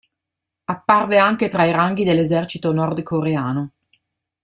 Apparve anche tra i ranghi dell'esercito nordcoreano.